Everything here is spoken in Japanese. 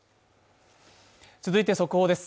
続いて速報です。